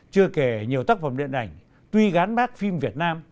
chưa kể nhiều tác phẩm điện ảnh tuy gắn bác phim việt nam